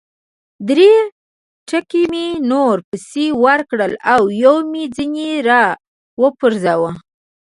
درې ټکه مې نور پسې وکړل او یو مې ځنې را و پرځاوه.